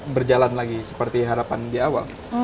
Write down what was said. berjalan lagi seperti harapan di awal